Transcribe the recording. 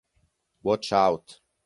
Watch Out!